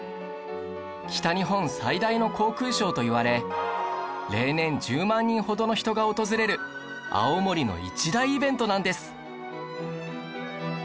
北日本最大の航空ショーといわれ例年１０万人ほどの人が訪れる青森の一大イベントなんです